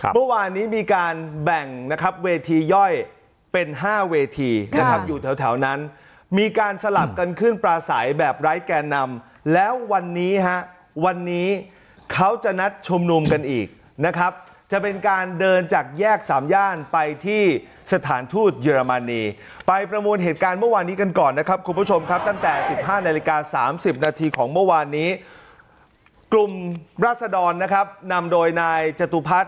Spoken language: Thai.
เมื่อวานนี้มีการแบ่งนะครับเวทีย่อยเป็น๕เวทีนะครับอยู่แถวนั้นมีการสลับกันขึ้นปลาใสแบบไร้แก่นำแล้ววันนี้ฮะวันนี้เขาจะนัดชุมนุมกันอีกนะครับจะเป็นการเดินจากแยกสามย่านไปที่สถานทูตเยอรมนีไปประมวลเหตุการณ์เมื่อวานนี้กันก่อนนะครับคุณผู้ชมครับตั้งแต่สิบห้านาฬิกา๓๐นาทีของเมื่อวานนี้กลุ่มราศดรนะครับนำโดยนายจตุพัฒน